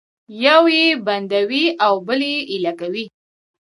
یو یې بندوي او بل یې ایله کوي